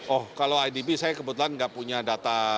oh kalau idb saya kebetulan nggak punya data